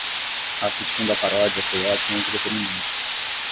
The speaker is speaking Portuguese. Assistindo a paródia foi ótimo entretenimento.